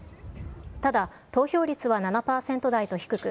ただ、投票率は７％台と低く、